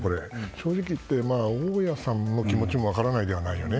正直言って、大家さんの気持ちも分からないではないね。